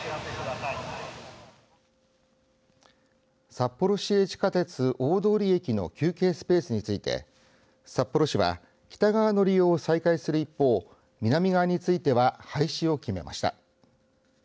札幌市営地下鉄大通駅の休憩スペースについて札幌市は北側の利用を再開する一方南側については廃止を決めました。